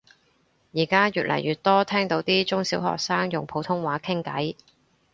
而家越嚟越多聽到啲中小學生用普通話傾偈